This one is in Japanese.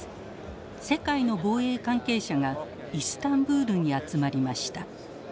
世界の防衛関係者がイスタンブールに集まりました。